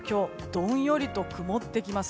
どんよりと曇ってきます。